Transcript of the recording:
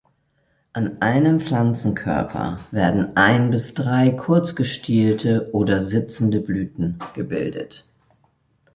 An einem Pflanzenkörper werden ein bis drei kurz gestielte oder sitzende Blüten gebildet.